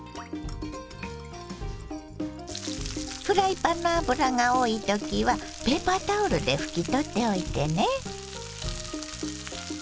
フライパンの脂が多い時はペーパータオルで拭き取っておいてね。